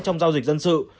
trong giao dịch dân sự